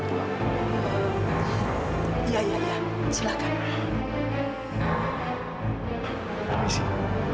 terima kasih tuhan